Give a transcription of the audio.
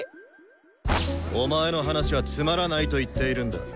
お前の話はつまらないと言っているんだ。